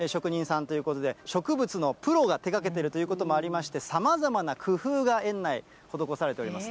植木の生産の職人さんということで、植物のプロが手がけてるということもありまして、さまざまな工夫が園内、施されております。